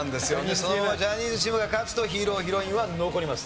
そのままジャニーズチームが勝つとヒーローヒロインは残ります。